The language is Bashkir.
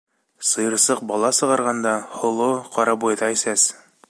Сыйырсыҡ бала сығарғанда һоло, ҡарабойҙай сәс.